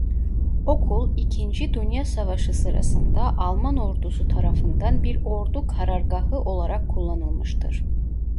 Okul ikinci Dünya Savaşı sırasında Alman ordusu tarafından bir ordu karargahı olarak kullanılmıştır.